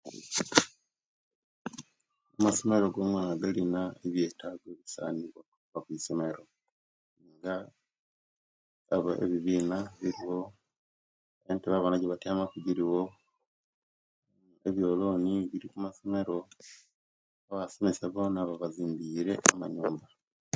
Amasomere gongona galina ebyetago ebisaniwa okuba kwisomero nga aba ebibina biriwo entebe abana ejebatiamaku gjiriwo ebyoloni biri kumasomero abasomesia bona babazimbire amanyumba